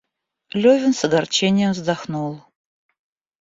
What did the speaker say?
Левин с огорчением вздохнул.